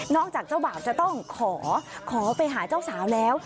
จากเจ้าบ่าวจะต้องขอขอไปหาเจ้าสาวแล้ว